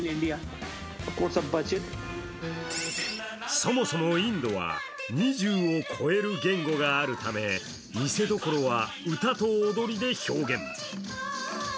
そもそもインドは、２０を超える言語があるため、見せどころは歌と踊りで表現。